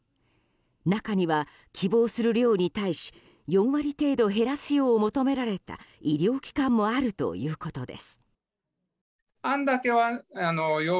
中には、希望する量に対し４割程度、減らすよう求められた医療機関もあるということです。